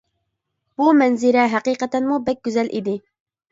بۇ مەنزىرە ھەقىقەتەنمۇ بەك گۈزەل ئىدى.